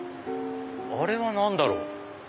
あれは何だろう？